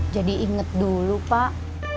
jadi inget dulu pak